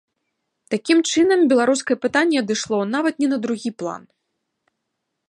Такім чынам, беларускае пытанне адышло нават не на другі план.